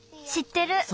しってる。